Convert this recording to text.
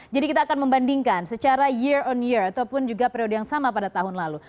jadi kita akan membandingkan secara year on year ataupun juga periode yang sama pada tahun lalu